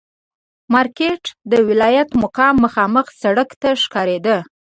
مارکېټ د ولایت مقام مخامخ سړک ته ښکارېده.